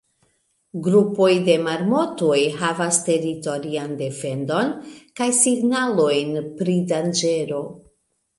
Grupoj de marmotoj havas teritorian defendon kaj signalojn pri danĝero.